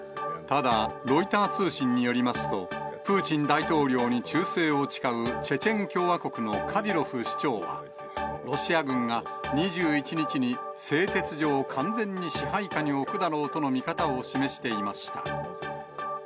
ただ、ロイター通信によりますと、プーチン大統領に忠誠を誓うチェチェン共和国のカディロフ首長は、ロシア軍が２１日に製鉄所を完全に支配下に置くだろうとの見方を示していました。